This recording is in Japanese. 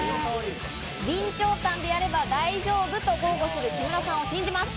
備長炭でやれば大丈夫と豪語する木村さんを信じます！